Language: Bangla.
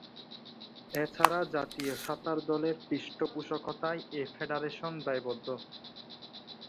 এছাড়া জাতীয় সাঁতার দলের পৃষ্ঠপোষকতায় এ ফেডারেশন দায়বদ্ধ।